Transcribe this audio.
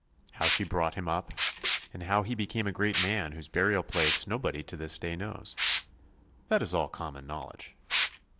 How she brought him up, and how he became a great man whose burial place nobody to this day knows. This is all common knowledge.